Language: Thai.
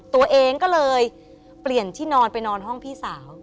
ตัวเองก็เลยเปลี่ยนที่นอนไปนอนห้องพี่สาว